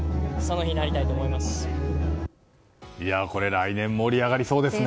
来年盛り上がりそうですね。